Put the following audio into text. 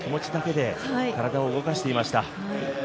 最後はもう気持ちだけで体を動かしていました。